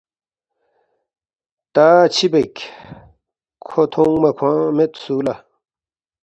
تا چِہ بیک؟ کھو تھونگما کھوانگ مید سُو لہ